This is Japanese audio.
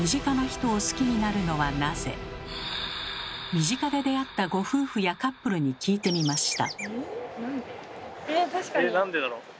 身近で出会ったご夫婦やカップルに聞いてみました。